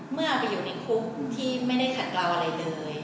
เอาไปอยู่ในคุกที่ไม่ได้ขัดกล่าวอะไรเลย